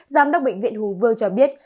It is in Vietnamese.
giám đốc bệnh viện hù vương cho biết